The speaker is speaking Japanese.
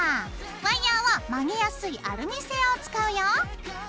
ワイヤーは曲げやすいアルミ製を使うよ。